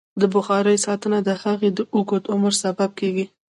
د بخارۍ ساتنه د هغې د اوږد عمر سبب کېږي.